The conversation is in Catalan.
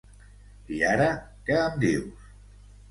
I ara!, què em dius?